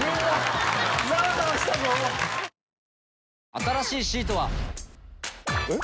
新しいシートは。えっ？